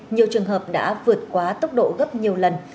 nhiều trường hợp đã vượt quá tốc độ gấp nhiều lần